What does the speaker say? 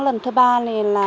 lần thứ ba thì là